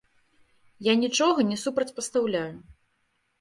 Я нічога не супрацьпастаўляю.